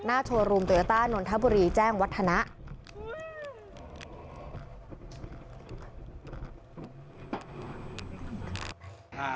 หน้าโชว์รูมเตือต้านนทบุรีแจ้งวัฒนา